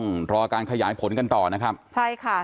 ครับก็อรักกว่าดีน้องไม่กลัว